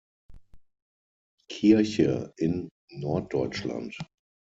Kirche in Norddeutschland.